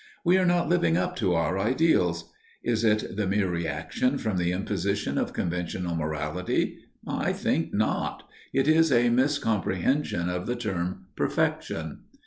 We are not living up to our ideals. Is it the mere reaction from the impositions of conventional morality? I think not. It is a miscomprehension of the term perfection.